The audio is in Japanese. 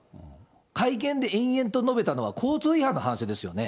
会見で延々と述べたのは交通違反の話ですよね。